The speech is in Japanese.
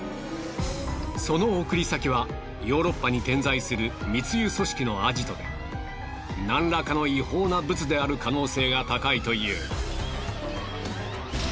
その送り先はヨーロッパに点在する密輸組織のアジトで何らかの違法なブツである可能性が高いという。